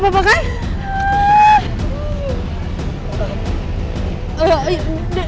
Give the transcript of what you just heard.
kau tak apa apa